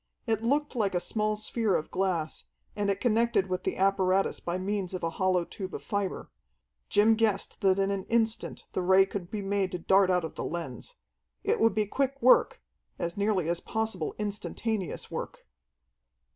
It looked like a small sphere of glass, and it connected with the apparatus by means of a hollow tube of fibre. Jim guessed that in an instant the Ray could be made to dart out of the lens. It would be quick work as nearly as possible instantaneous work.